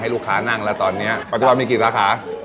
ลูกค้านั่งแล้วตอนนี้ปัจจุบันมีกี่สาขา